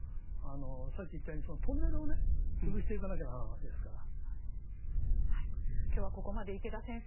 さっき言ったようにトンネルを潰していかなきゃならんわけですから。